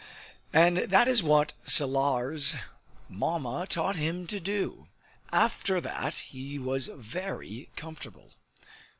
And that is what Salar's Mamma taught him to do. After that he was very comfortable.